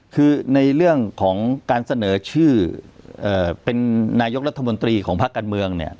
คือในเรื่องของการเสนอชื่อเป็นนายกรัฐมนตรีของพักการเมืองเนี่ย